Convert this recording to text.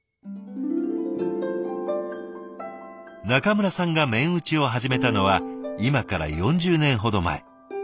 中村さんが面打ちを始めたのは今から４０年ほど前。